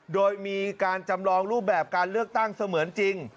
โดยมีการจำลองรูปแบบการเลือกตั้งเสมือนจริง